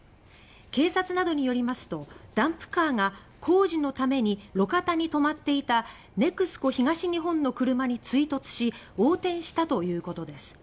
警察などによりますとダンプカーが工事のために路肩に止まっていたネクスコ東日本の車に追突し横転したということです。